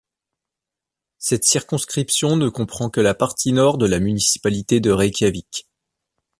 Cette circonscription ne comprend que la partie Nord de la municipalité de Reykjavik.